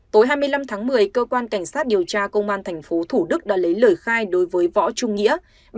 tối hai mươi năm tháng một mươi cơ quan cảnh sát điều tra công an tp thủ đức đã lấy lời khai đối với võ trung nghĩa